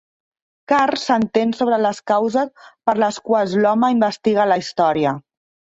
Carr s'estén sobre les causes per les quals l'home investiga la història.